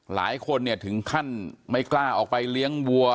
หลายคนเนี่ยถึงขั้นไม่กล้าออกไปเลี้ยงวัว